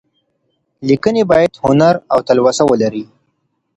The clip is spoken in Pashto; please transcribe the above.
ليکنې بايد هنر او تلوسه ولري.